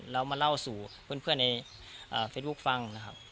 แล้วก็มาเล่าสู่เพื่อนในเฟซบุ๊คฟัง